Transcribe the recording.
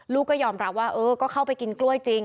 ก็ยอมรับว่าเออก็เข้าไปกินกล้วยจริง